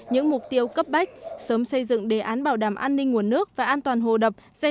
những mục tiêu cấp bách sớm xây dựng đề án bảo đảm an ninh nguồn nước và an toàn hồ đập giai